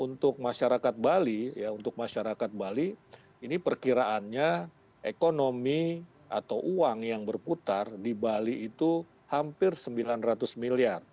untuk masyarakat bali ya untuk masyarakat bali ini perkiraannya ekonomi atau uang yang berputar di bali itu hampir sembilan ratus miliar